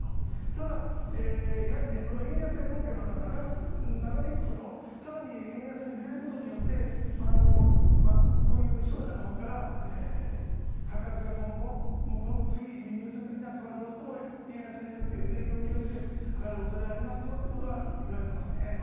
ただ、やはりこの円安が今回また長引くこと、さらに円安に振れることによって、こういう商社のほうから価格が今後、この次輸入するときなんかは、どうしても円安の影響を受けるんで、上がるおそれはありますよっていうことは言われてますね。